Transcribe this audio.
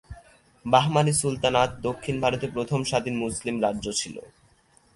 বাহমানি সালতানাত দক্ষিণ ভারতের প্রথম স্বাধীন মুসলিম রাজ্য ছিল।